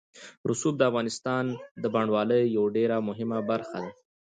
رسوب د افغانستان د بڼوالۍ یوه ډېره مهمه برخه ده.